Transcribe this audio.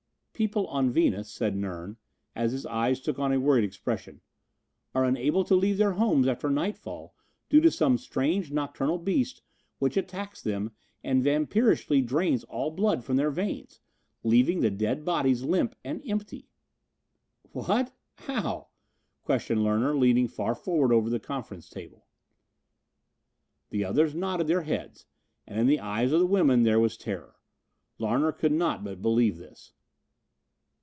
"People on Venus," said Nern, as his eyes took on a worried expression, "are unable to leave their homes after nightfall due to some strange nocturnal beast which attacks them and vampirishly drains all blood from their veins, leaving the dead bodies limp and empty." "What? How?" questioned Larner leaning far forward over the conference table. The others nodded their heads, and in the eyes of the women there was terror. Larner could not but believe this.